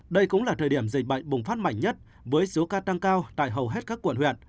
đây cũng là thời điểm dịch bệnh bùng phát mạnh nhất với số ca tăng cao tại hầu hết các quận huyện